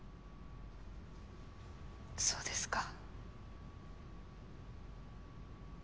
そうですか。